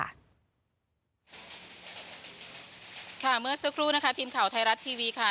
ค่ะเมื่อสักครู่นะคะทีมข่าวไทยรัฐทีวีค่ะ